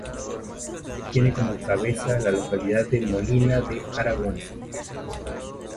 Tiene como cabeza la localidad de Molina de Aragón.